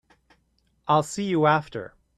I'll see you after.